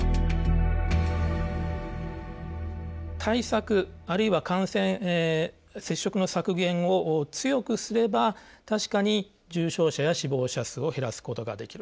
対策あるいは感染接触の削減を強くすれば確かに重症者や死亡者数を減らすことができる。